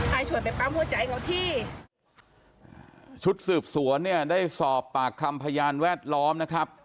ให้ชวนไปปั๊มหัวใจเขาที่ชุดสืบสวนเนี่ยได้สอบปากคำพยานแวดล้อมนะครับ